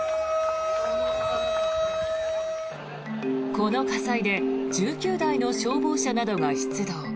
この火災で１９台の消防車などが出動。